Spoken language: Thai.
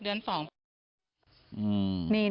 เงินจะเข้าเวรนี่ค่ะ